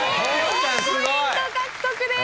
４ポイント獲得です。